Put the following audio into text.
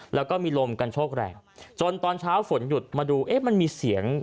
แล้วก็มีลมกันโชคแรงจนตอนเช้าฝนหยุดมาดูเอ๊ะมันมีเสียง